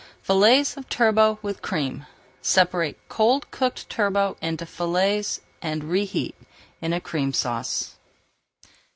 FILLETS OF TURBOT WITH CREAM Separate cold cooked turbot into fillets and reheat in a Cream Sauce.